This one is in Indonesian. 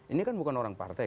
ini kan bukan orang partai